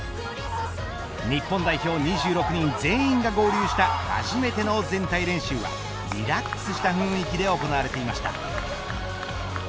日本代表２６人全員が合流した初めての全体練習はリラックスした雰囲気で行われていました。